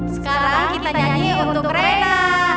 sekarang kita nyanyi untuk mereka